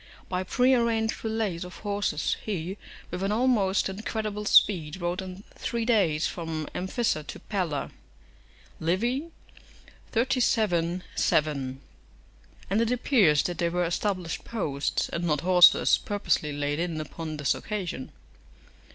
["By pre arranged relays of horses, he, with an almost incredible speed, rode in three days from Amphissa to Pella." Livy, xxxvii. 7.] And it appears that they were established posts, and not horses purposely laid in upon this occasion.